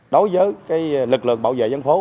đối với lực lượng bảo vệ dân phố